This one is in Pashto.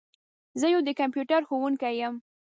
زه یو د کمپیوټر ښوونکي یم.